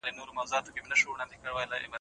زده کړه د سالمې ټولنې بنسټ ایږدي.